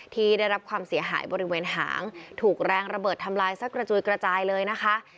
ที่ได้รับความเสียหายบริเวณหางถูกแรงระเบิดทำลายสักกระจุยกระจายเลยนะคะ